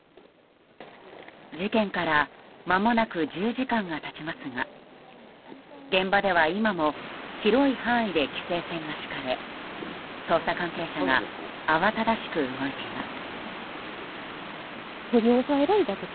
時間からまもなく１０時間が経ちますが現場では、今も広い範囲で規制線が敷かれ捜査関係者が慌ただしく動いています。